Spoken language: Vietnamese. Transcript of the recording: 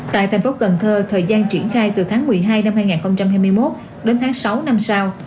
tại thành phố cần thơ thời gian triển khai từ tháng một mươi hai năm hai nghìn hai mươi một đến tháng sáu năm sau